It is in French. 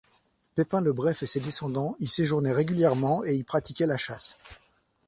Pépin le Bref et ses descendants y séjournaient régulièrement et y pratiquaient la chasse.